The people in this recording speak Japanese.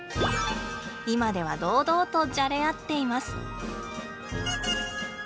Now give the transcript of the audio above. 今では堂々とじゃれ合っています。